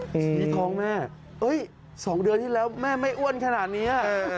ทีนี้ท้องแม่๒เดือนที่แล้วแม่ไม่อ้วนขนาดนี้